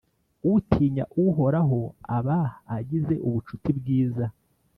Utinya Uhoraho aba agize ubucuti bwiza,